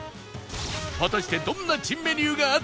果たしてどんな珍メニューがあったのか？